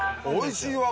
おいしい。